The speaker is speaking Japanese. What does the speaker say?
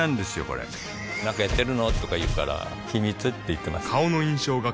これなんかやってるの？とか言うから秘密って言ってます